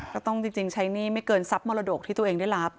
ก็ต้องจริงใช้หนี้ไม่เกินทรัพย์มรดกที่ตัวเองได้รับ